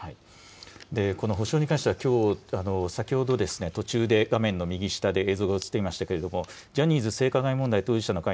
この補償に関してはきょう、先ほどですね、途中で画面の右下で映像が映っていましたけれども、ジャニーズ性加害問題当事者の会